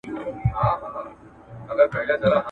ځم د اوښکو په ګودر کي ګرېوانونه ښخومه..